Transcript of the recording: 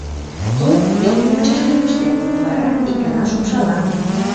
Тол йылме мучашкет пыштем, вара ик гана шупшалам!